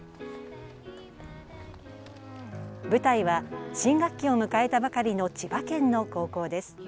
舞台は新学期を迎えたばかりの千葉県の高校です。